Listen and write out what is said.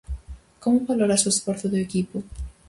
Como valoras o esforzo do equipo?